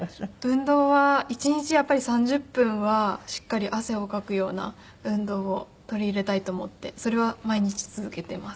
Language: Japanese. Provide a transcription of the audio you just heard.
運動は１日やっぱり３０分はしっかり汗をかくような運動を取り入れたいと思ってそれは毎日続けています。